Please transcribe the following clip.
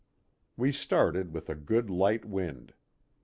We started with a good light wind.